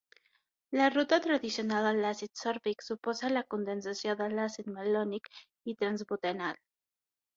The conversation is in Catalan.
La ruta tradicional a l'àcid sòrbic suposa la condensació de l'àcid malònic i trans-butenal.